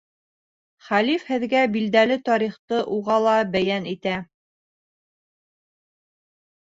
Хәлиф һеҙгә билдәле тарихты уға ла бәйән итә.